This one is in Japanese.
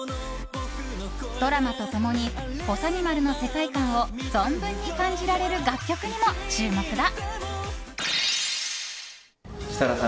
ドラマと共に「ぼさにまる」の世界観を存分に感じられる楽曲にも注目だ。